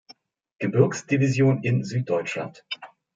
Gebirgsdivision in Süddeutschland.